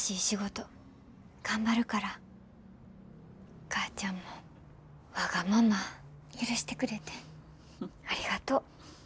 お母ちゃんもわがまま許してくれてありがとう。